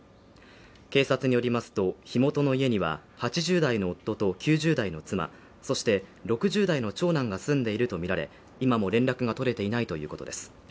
警察によりますと、火元の家には８０代の夫と９０代の妻、そして６０代の長男が住んでいるとみられ、今も連絡が取れていないということです。